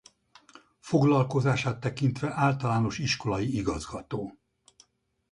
Foglalkozását tekintve általános iskolai igazgató.